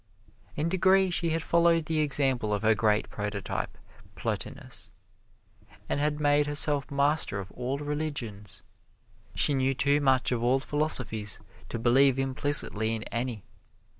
In degree she had followed the example of her great prototype, Plotinus, and had made herself master of all religions. She knew too much of all philosophies to believe implicitly in any.